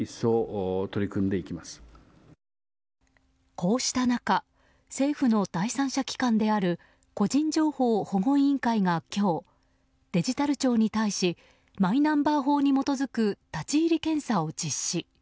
こうした中政府の第三者機関である個人情報保護委員会が今日、デジタル庁に対しマイナンバー法に基づく立ち入り検査を実施。